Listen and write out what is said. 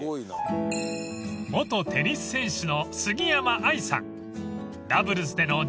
［元テニス選手の杉山愛さん］